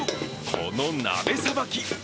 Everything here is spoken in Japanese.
この鍋さばき！